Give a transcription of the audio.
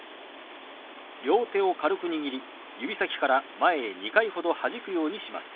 両手を軽く握り指先から前へ２回ほどはじくようにします。